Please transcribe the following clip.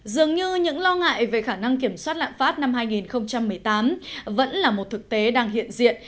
dường như những lo ngại về khả năng kiểm soát lạm phát năm hai nghìn một mươi tám vẫn là một thực tế đang hiện diện